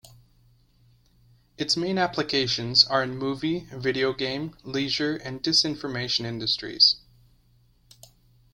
Its main applications are in movie, video game, leisure and disinformation industries.